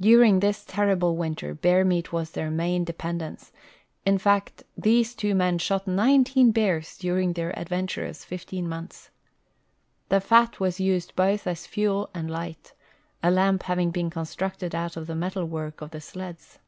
During this terriljle winter hear meat was their main depend ence— in fact, these two men shot nineteen l)ears during their adventurous fifteen months, 'i'he fat was used both as fuel and liglit, a lam)) having l)een constructed out of the metal work of the sleds.